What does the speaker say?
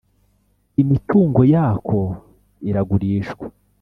imitungo yako iragurishwa.